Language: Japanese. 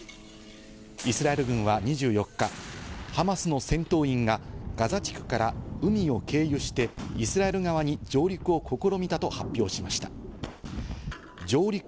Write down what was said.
イスラエル軍は２４日、ハマスの戦闘員がガザ地区から海を経由してイスラエル側に上陸を試みたと発表しました。